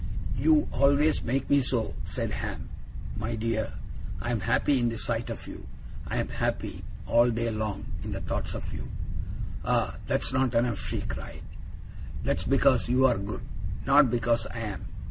'You always make me so,' said Ham, 'my dear! I am happy in the sight of you. I am happy, all day long, in the thoughts of you.' 'Ah! that's not enough!' she cried. 'That is because you are good; not because I am!